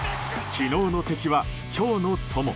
昨日の敵は今日の友。